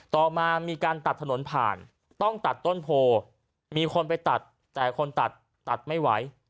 ต่อมามีการตัดถนนผ่านต้องตัดต้นโพมีคนไปตัดแต่คนตัดตัดไม่ไหว